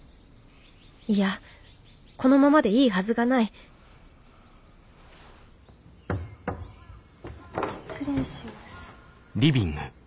いやこのままでいいはずがない失礼します。